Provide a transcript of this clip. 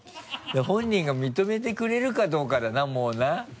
本人が認めてくれるかどうかだなもうな。